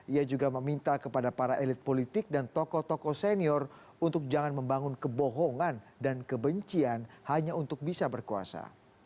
ia juga meminta kepada para elit politik dan tokoh tokoh senior untuk jangan membangun kebohongan dan kebencian hanya untuk bisa berkuasa